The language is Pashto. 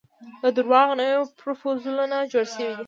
د درواغو نوي پرفوزلونه جوړ شوي دي.